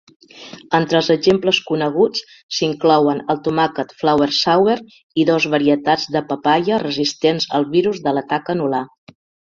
Entre els exemples coneguts, s'inclouen el tomàquet Flavr Savr i dos varietats de papaia resistents al virus de la taca anular.